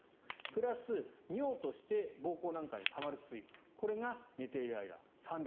プラス尿として膀胱なんかにたまる水分これが寝ている間３００ｃｃ。